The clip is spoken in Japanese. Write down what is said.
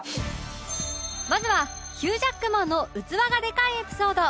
まずはヒュー・ジャックマンの器がでかいエピソード